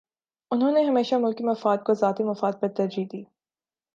انہوں نے ہمیشہ ملکی مفاد کو ذاتی مفاد پر ترجیح دی